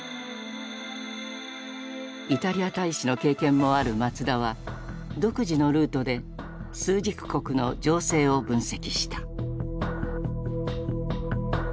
イタリア大使の経験もある松田は独自のルートで枢軸国の情勢を分析した。